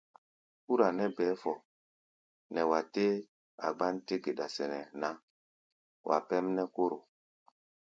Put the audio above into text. Ɓúra nɛ́ bɛɛ́ fɔ nɛ wa tɛ́ a gbán-té geɗa sɛnɛ ná, wa pɛ́m nɛ́ kóro.